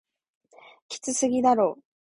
きつすぎだろ